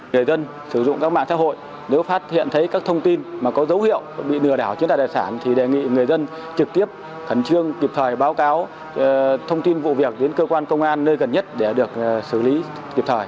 người dân sử dụng các mạng xã hội nếu phát hiện thấy các thông tin mà có dấu hiệu bị lừa đảo chiếm đạt tài sản thì đề nghị người dân trực tiếp khẩn trương kịp thời báo cáo thông tin vụ việc đến cơ quan công an nơi gần nhất để được xử lý kịp thời